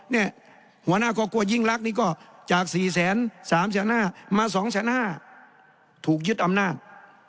เนี่ยหัวหน้าครอบครัวยิ่งรักนี้ก็จาก๔แสน๓แสน๕มา๒แสน๕ถูกยึดอำนาจ